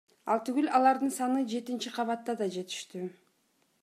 Ал түгүл алардын саны жетинчи кабатта да жетиштүү.